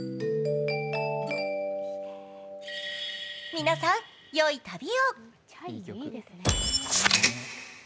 皆さん、良い旅を。